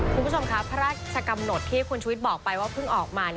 คุณผู้ชมครับพระราชกำหนดที่คุณชุวิตบอกไปว่าเพิ่งออกมา